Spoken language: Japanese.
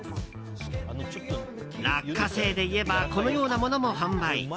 落花生でいえばこのようなものも販売。